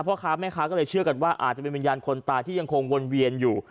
พ่อค้าแม่ค้าก็เลยเชื่อกันว่าอาจจะเป็นวิญญาณคนตายที่ยังคงวนเวียนอยู่